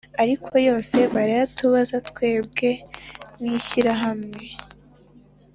ariko yose barayatubaza twebwe nkishyirahamwe